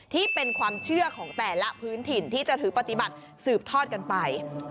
ที่เป็นความเชื่อของแต่ละพื้นถิ่นที่จะถือปฏิบัติสืบทอดกันไป